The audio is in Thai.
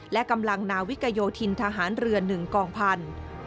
และกำลังนาวิกโยธินทหารเรือ๑กองพันธุ์